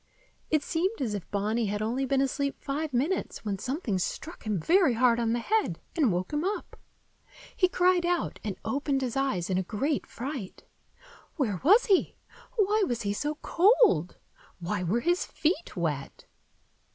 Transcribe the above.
It seemed as if Bonny had only been asleep five minutes when something struck him very hard on the head, and woke him up. He cried out, and opened his eyes in a great fright. Where was he? Why was he so cold? Why were his feet wet?